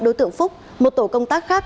đối tượng phúc một tổ công tác khác